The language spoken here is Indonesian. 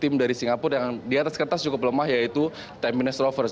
yang di singapura yang di atas kertas cukup lemah yaitu sepuluh minutes rovers